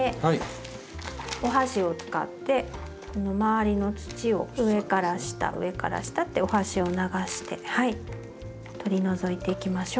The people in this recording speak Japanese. お箸を使ってこの周りの土を上から下上から下ってお箸を流して取り除いていきましょう。